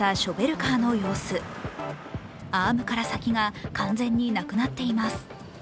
アームから先が完全になくなっています。